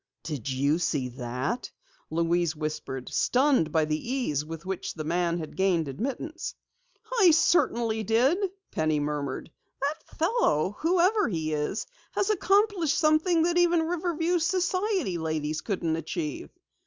"Did you see that?" Louise whispered, stunned by the ease with which the man had gained admittance. "I certainly did!" Penny murmured. "That fellow whoever he is has accomplished something that even Riverview's society ladies couldn't achieve!